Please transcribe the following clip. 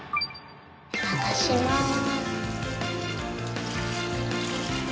流します。